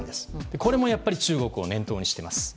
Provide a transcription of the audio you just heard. これもやっぱり中国を念頭にしています。